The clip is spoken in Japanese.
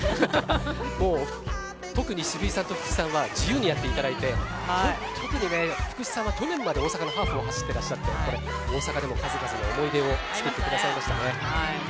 もう特に渋井さんと福士さんは自由にやっていただいて特に福士さんは去年まで大阪のハーフを走っていらっしゃって大阪でも数々の思い出を作ってくださいましたね。